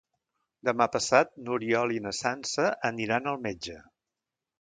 Demà passat n'Oriol i na Sança aniran al metge.